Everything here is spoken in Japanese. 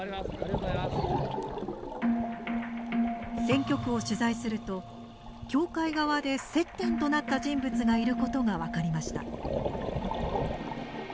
選挙区を取材すると教会側で接点となった人物がいることが分かりました。